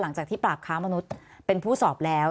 หลังจากที่ปราบค้ามนุษย์เป็นผู้สอบแล้ว